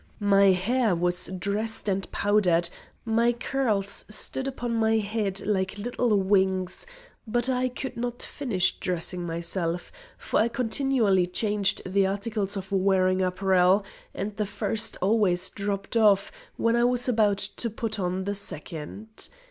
My hair was dressed and powdered, my curls stood upon my head like little wings, but I could not finish dressing myself; for I continually changed the articles of wearing apparel, and the first always dropped off when I was about to put on the second.